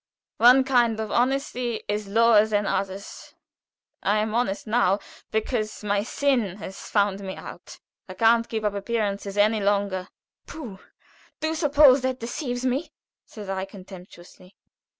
One kind of honesty is lower than others. I am honest now because my sin has found me out, I can't keep up appearances any longer." "Pooh! do you suppose that deceives me?" said I, contemptuously.